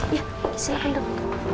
ya silahkan dok